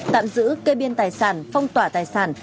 tạm giữ kê biên tài sản phong tỏa tài sản